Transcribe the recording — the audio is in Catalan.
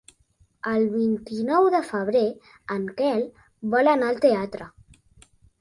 El vint-i-nou de febrer en Quel vol anar al teatre.